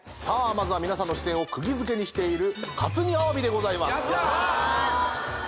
まずは皆さんの視線をくぎづけにしている活煮アワビでございますやった！